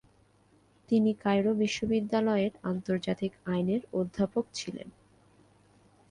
তিনি কায়রো বিশ্ববিদ্যালয়ের আন্তর্জাতিক আইন এর অধ্যাপক ছিলেন।